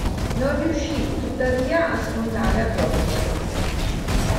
Non riuscì tuttavia a sfondare a Broadway.